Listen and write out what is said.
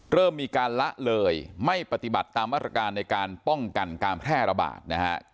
เริ่มมีการละเลยไม่ปฏิบัติตามมาตรการในการป้องกันการแพร่ระบาดนะฮะ